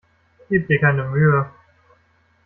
Gib dir keine Mühe!